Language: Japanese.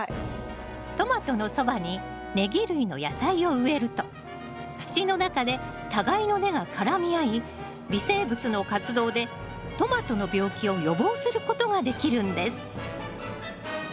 トマトのそばにネギ類の野菜を植えると土の中で互いの根が絡み合い微生物の活動でトマトの病気を予防することができるんです